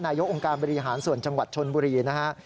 กองการบริหารส่วนจังหวัดชนบุรีนะฮะ